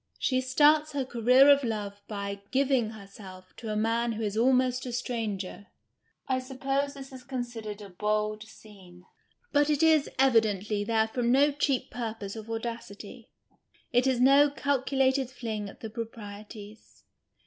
She starts her career of love by " giving herself " to a man who is almost a stranger. I suppose tliis is considered a " bold " scene. But it is, evidently, there from no cheap purpose of " audacity," it is no calculated fling at the proprieties.